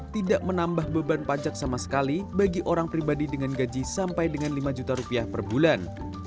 tidak menambah beban pajak sama sekali bagi orang pribadi dengan gaji sampai dengan lima juta rupiah per bulan